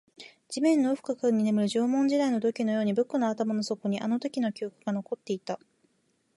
地面の奥深くに眠る縄文時代の土器のように、僕の頭の底にもあのときの記憶が残っていた